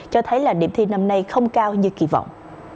cho thấy là điểm thi năm nay không cao như kỳ vọng